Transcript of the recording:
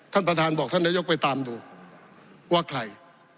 ท่านประธานบอกท่านนายกไปตามดูว่าใคร